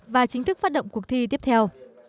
và chính thức phát động cuộc thi tiếp theo